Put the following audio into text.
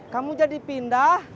kamu jadi pindah